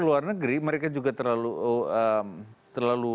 luar negeri mereka juga terlalu